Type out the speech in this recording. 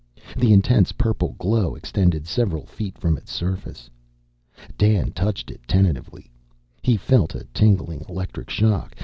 The intense purple glow extended several feet from its surface. Dan touched it tentatively. He felt a tingling electric shock.